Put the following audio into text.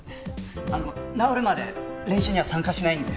あの治るまで練習には参加しないんで。